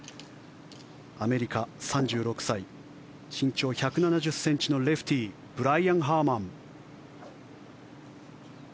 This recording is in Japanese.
アメリカ、３６歳身長１７０ｃｍのレフティーブライアン・ハーマン。